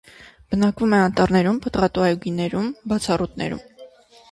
Բնակվում է անտառներում, պտղատու այգիներում, մացառուտներում։